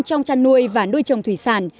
trong trăn nuôi và nuôi trồng thủy sản